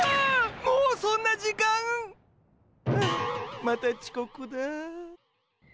もうそんな時間！？はあまたちこくだ。